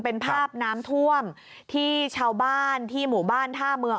เป็นภาพน้ำท่วมที่ชาวบ้านที่หมู่บ้านท่าเมือง